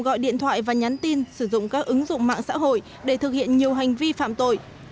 gọi điện thoại và nhắn tin sử dụng các ứng dụng mạng xã hội để thực hiện nhiều hành vi phạm tội